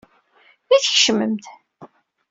I tkecmem-d?